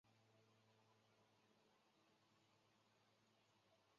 他们住在皇家坦布里奇韦尔斯。